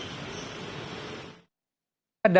kedua pihak orang tua dan bayi telah menjalani tes dna